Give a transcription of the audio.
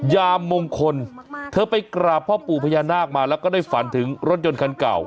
ยามมงคลเธอไปกราบพ่อปู่พญานาคมาแล้วก็ได้ฝันถึงรถยนต์คันเก่า